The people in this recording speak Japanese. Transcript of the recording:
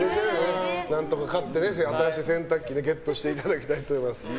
何とか勝って新しい洗濯機をゲットしていただきたいと思います。